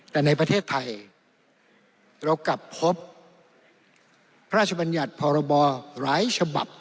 แต่ในประเทศไทยเรากลับพบพระราชบัญญัติพรบหลายฉบับ